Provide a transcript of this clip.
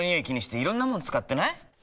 気にしていろんなもの使ってない？